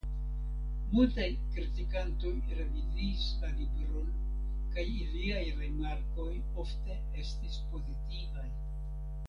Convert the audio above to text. Multaj kritikantoj reviziis la libron kaj iliaj rimarkoj ofte estis pozitivaj.